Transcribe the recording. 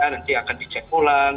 nanti akan dicek ulang